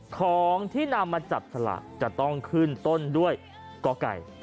ของที่นำมาจับสละจะต้องขึ้นต้นด้วยกไก่